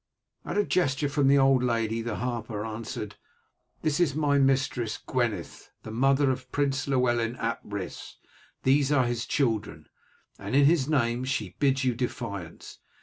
At a gesture from the old lady the harper answered: "This is my mistress, Gweneth, the mother of Prince Llewellyn ap Rhys; these are his children. In his name she bids you defiance.